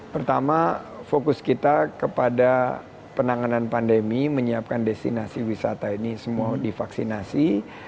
pertama fokus kita kepada penanganan pandemi menyiapkan destinasi wisata ini semua divaksinasi